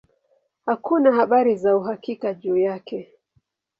Hakuna habari za uhakika juu yake.